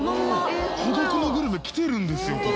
『孤独のグルメ』来てるんですよ